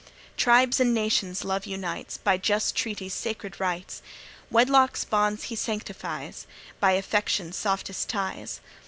Tribes and nations Love unites By just treaty's sacred rites; Wedlock's bonds he sanctifies By affection's softest ties.